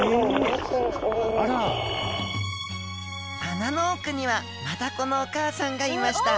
穴の奥にはマダコのお母さんがいました